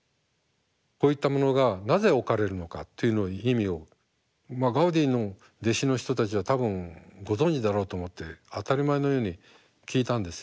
こういったものがなぜ置かれるのかという意味をまあガウディの弟子の人たちは多分ご存じだろうと思って当たり前のように聞いたんですよ。